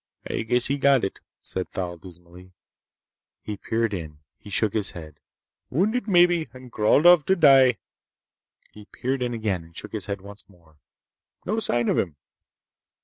"I guess he got it," said Thal dismally. He peered in. He shook his head. "Wounded, maybe, and crawled off to die." He peered in again and shook his head once more. "No sign of 'im."